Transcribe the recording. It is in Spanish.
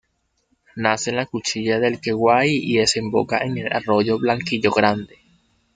Nace en la Cuchilla del Queguay y desemboca en el arroyo Blanquillo Grande.